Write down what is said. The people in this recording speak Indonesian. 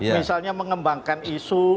misalnya mengembangkan isu